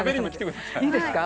いいですか？